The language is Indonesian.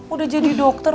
udah jadi dokter